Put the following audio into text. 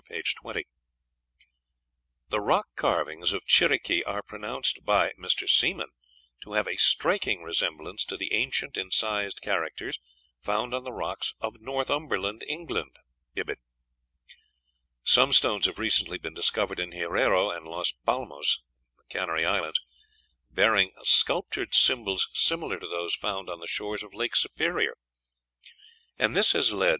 p. 20.) The rock carvings of Chiriqui are pronounced by Mr. Seemann to have a striking resemblance to the ancient incised characters found on the rocks of Northumberland, England. (Ibid.) "Some stones have recently been discovered in Hierro and Las Palmas (Canary Islands), bearing sculptured symbols similar to those found on the shores of Lake Superior; and this has led M.